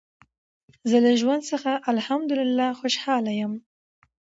زه له ژوند څخه الحمدلله خوشحاله یم.